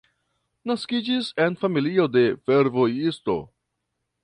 Naskiĝis en familio de fervojisto.